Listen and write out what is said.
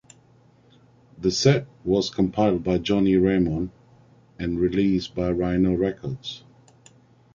The set was compiled by Johnny Ramone and released by Rhino Records.